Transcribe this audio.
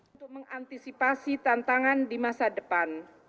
untuk mengantisipasi tantangan di masa depan